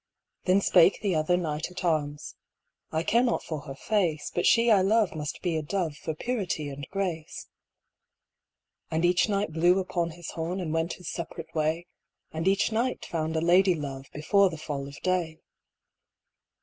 Then spake the other knight at arms: "I care not for her face, But she I love must be a dove For purity and grace." And each knight blew upon his horn And went his separate way, And each knight found a lady love Before the fall of day.